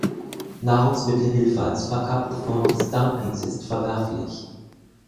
Nahrungsmittelhilfe als verkappte Form des Dumping ist verwerflich.